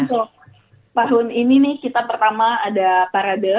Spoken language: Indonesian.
jadi untuk tahun ini nih kita pertama ada parade